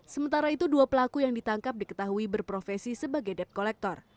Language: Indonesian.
sementara itu dua pelaku yang ditangkap diketahui berprofesi sebagai debt collector